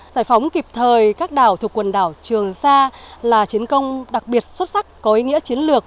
giải phóng kịp thời các đảo thuộc quần đảo trường sa là chiến công đặc biệt xuất sắc có ý nghĩa chiến lược